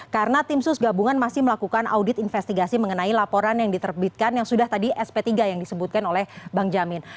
karena tim sus gabungan masih melakukan audit investigasi mengenai laporan yang diterbitkan yang sudah tadi sp tiga yang disebutkan oleh bang jamin